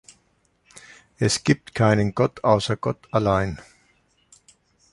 Es gibt keinen Gott außer Gott allein.